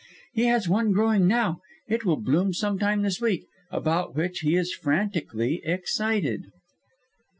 He has one growing now it will bloom some time this week about which he is frantically excited."